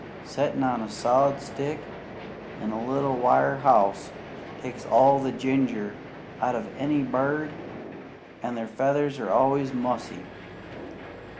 Settin' on a sawed stick in a little wire house takes all the ginger out of any bird, an' their feathers are always mussy.